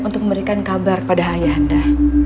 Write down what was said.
untuk memberikan kabar pada ayah anda